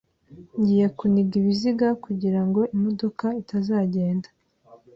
Ngiye kuniga ibiziga kugirango imodoka itagenda.